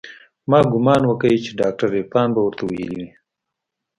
ما ګومان وکړ چې ډاکتر عرفان به ورته ويلي وي.